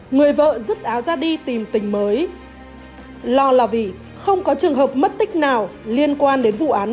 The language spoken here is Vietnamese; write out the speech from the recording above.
người vợ rứt áo ra đi tìm tình mới lo là vì không có trường hợp mất tích nào liên quan đến vụ án